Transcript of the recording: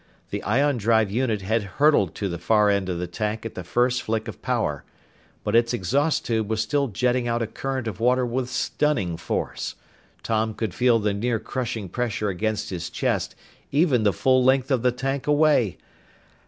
The ion drive unit had hurtled to the far end of the tank at the first flick of power. But its exhaust tube was still jetting out a current of water with stunning force. Tom could feel the near crushing pressure against his chest, even the full length of the tank away!